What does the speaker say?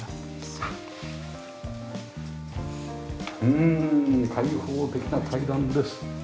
うん開放的な階段です。